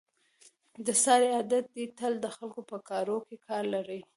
د سارې عادت دی تل د خلکو په کاروکې کار لري.